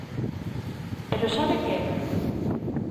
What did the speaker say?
Pero ¿sabe que?